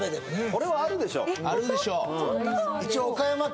これはあるでしょえっ